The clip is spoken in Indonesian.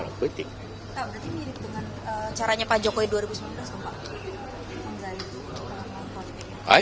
berarti mirip dengan caranya pak jokowi dua ribu sembilan belas dong pak